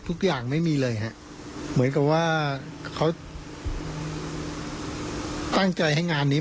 ทุกอย่างไม่มีเลยฮะเหมือนกับว่าเขาตั้งใจให้งานนี้